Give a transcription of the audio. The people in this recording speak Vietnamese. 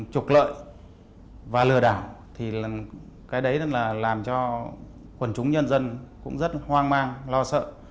trục lợi và lừa đảo thì cái đấy là làm cho quần chúng nhân dân cũng rất hoang mang lo sợ